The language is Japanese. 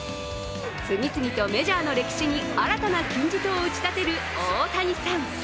次々とメジャーの歴史に新たな金字塔を打ち立てる大谷さん。